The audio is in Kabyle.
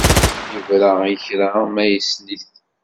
Yebra i kra ma yessen-it.